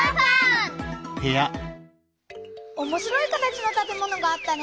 おもしろい形のたてものがあったね。